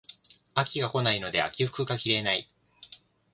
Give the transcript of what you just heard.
秋が来ないので秋服が着れない